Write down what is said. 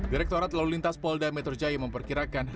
direktorat lalu lintas polda metro jaya memperkirakan